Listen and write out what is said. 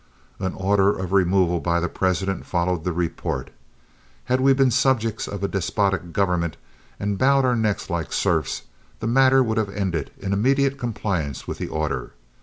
An order of removal by the President followed the report. Had we been subjects of a despotic government and bowed our necks like serfs, the matter would have ended in immediate compliance with the order.